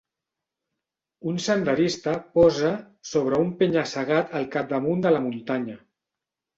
Un senderista posa sobre un penya-segat al capdamunt de la muntanya.